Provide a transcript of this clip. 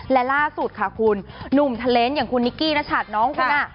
และล่าสุดค่ะคุณหนุ่มเทลนส์อย่างคุณนิกกี้นชัดน้องคุณ